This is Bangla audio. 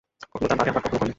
কখনো তা বাড়ে আবার কখনো কমে।